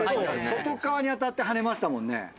外っ側に当たってはねましたもんね。